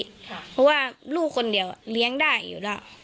เพราะว่าลูกคนเดียวเลี้ยงได้อยู่แล้ว